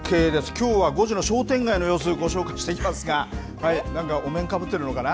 きょうは５時の商店街の様子、ご紹介していきますが、なんかお面かぶってるのかな？